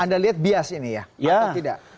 anda lihat bias ini ya atau tidak